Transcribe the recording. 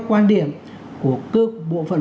quan điểm của cơ bộ phận